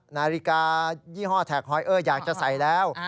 นาฬิกายี่ห้อแท็กฮอยเออร์อยากจะใส่แล้ว